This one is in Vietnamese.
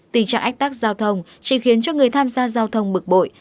tình trạng ách tắc giao thông chỉ khiến cho người tham gia giao thông bực bội